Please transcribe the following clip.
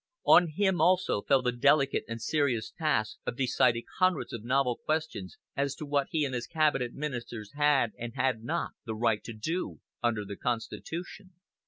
On him also fell the delicate and serious task of deciding hundreds of novel questions as to what he and his cabinet ministers had and had not the right to do under the Constitution.